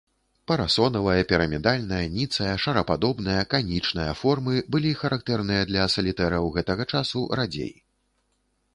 Парасонавая, пірамідальная, ніцая, шарападобная, канічная формы былі характэрныя для салітэраў гэтага часу радзей.